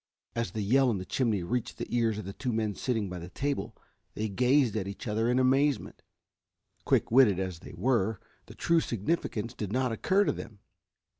As the yell in the chimney reached the ears of the two men sitting by the table they gazed at each other in amazement. Quick witted as they were, the true significance did not occur to them.